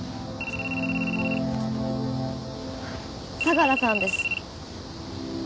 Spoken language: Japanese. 相良さんです。